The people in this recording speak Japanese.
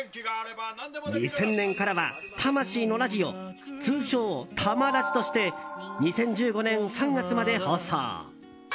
２０００年からは「魂のラジオ」通称「魂ラジ」として２０１５年３月まで放送。